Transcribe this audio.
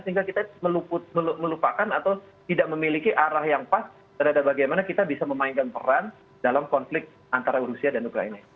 sehingga kita melupakan atau tidak memiliki arah yang pas terhadap bagaimana kita bisa memainkan peran dalam konflik antara rusia dan ukraina